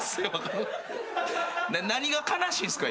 何が悲しいんすか？